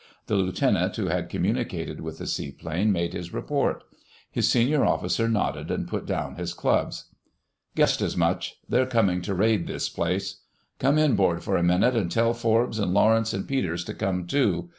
The Lieutenant who had communicated with the Seaplane made his report; his Senior Officer nodded and put down his clubs. "Guessed as much. They're coming to raid this place. Come inboard for a minute, and tell Forbes and Lawrence and Peters to come too.